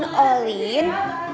iya pak ardien